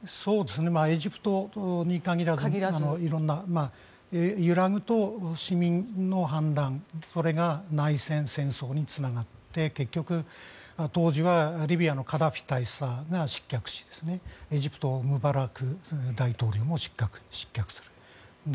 エジプトに限らず揺らぐと市民の反乱それが内戦、戦争につながって結局当時はリビアのカダフィ大佐が失脚してエジプト、ムバラク大統領も失脚する。